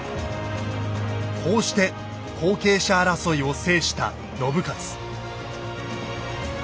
こうして後継者争いを制した信雄。